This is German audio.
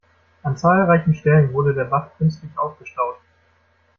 An zahlreichen Stellen wurde der Bach künstlich aufgestaut.